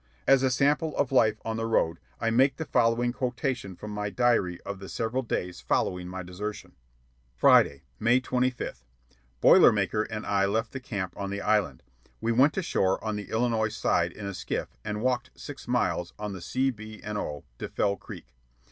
As a sample of life on The Road, I make the following quotation from my diary of the several days following my desertion. "Friday, May 25th. Boiler Maker and I left the camp on the island. We went ashore on the Illinois side in a skiff and walked six miles on the C.B. & Q. to Fell Creek.